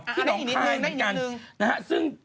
อันนี้อีกนิดนึงได้อีกนิดนึง